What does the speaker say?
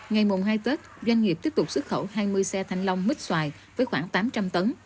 ngày mùng hai tết doanh nghiệp tiếp tục xuất khẩu hai mươi xe thanh long mít xoài với khoảng tám trăm linh tấn